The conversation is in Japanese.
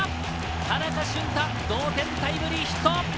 田中俊太同点タイムリーヒット！